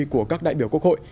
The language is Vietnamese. của các đại biểu quốc hội